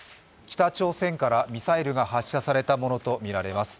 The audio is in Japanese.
北朝鮮からミサイルが発射されたものとみられます。